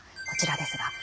こちらですが。